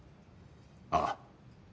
ああ。